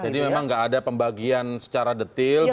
jadi memang nggak ada pembagian secara detil begitu